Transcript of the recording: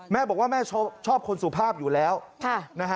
แม่บอกว่าแม่ชอบคนสุภาพอยู่แล้วนะฮะ